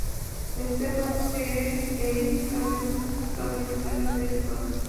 দেখতে পারছি এই টানেল টনির জন্য বেশ বড়।